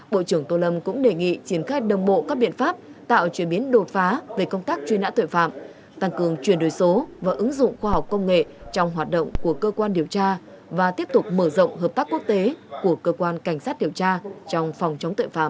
bộ trưởng tô lâm cũng đề nghị triển khai đồng bộ các biện pháp tạo chuyển biến đột phá về công tác truy nã tội phạm tăng cường chuyển đổi số và ứng dụng khoa học công nghệ trong hoạt động của cơ quan điều tra và tiếp tục mở rộng hợp tác quốc tế của cơ quan cảnh sát điều tra trong phòng chống tội phạm